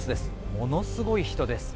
ものすごい人です。